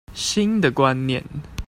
新的觀念